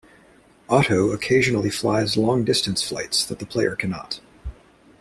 Otto occasionally flies long distance flights that the player cannot.